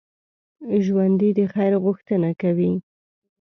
ژوندي د خیر غوښتنه کوي